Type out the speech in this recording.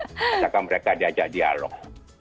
asalkan mereka diajak dialog